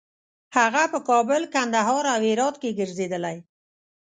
هغه په کابل، کندهار او هرات کې ګرځېدلی.